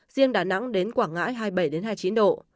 riêng đà nẵng đến quảng ngãi hai mươi bảy hai mươi chín độ